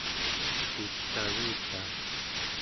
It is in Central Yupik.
uiksagutaa